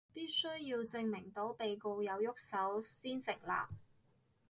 必須要證明到被告有郁手先成立